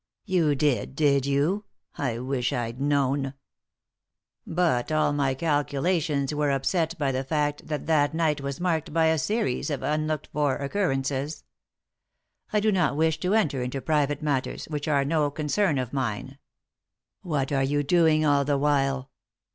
" You did, did you ? I wish I'd known I "" But all my calculations were upset by the fact that that night was marked by a series of unlooked for occurrences. I do not wish to enter into private matters, which are no concern of mine "" What are you doing all the while